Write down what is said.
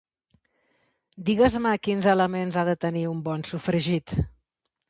Digues-me quins elements ha de tenir un bon sofregit.